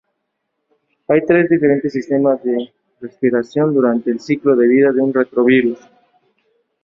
Hay tres diferentes sistemas de replicación durante el ciclo de vida de un retrovirus.